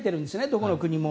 どこの国も。